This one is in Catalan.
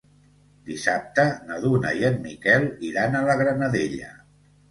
Dissabte na Duna i en Miquel iran a la Granadella.